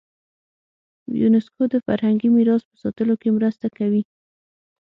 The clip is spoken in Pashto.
یونسکو د فرهنګي میراث په ساتلو کې مرسته کوي.